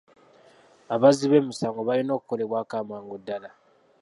Abazzi b'emisango balina okukolebwako amangu ddaala.